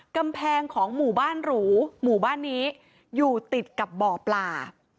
กำแพงของหมู่บ้านหรูหมู่บ้านนี้อยู่ติดกับบ่อปลา